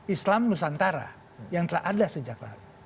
islam nusantara yang telah ada sejak lalu